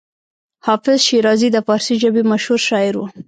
حافظ شیرازي د فارسي ژبې مشهور شاعر و.